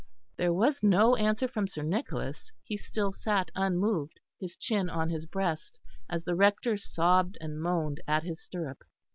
There was no answer from Sir Nicholas; he still sat unmoved, his chin on his breast, as the Rector sobbed and moaned at his stirrup.